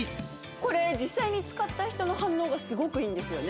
これ実際に使った人の反応がすごくいいんですよね？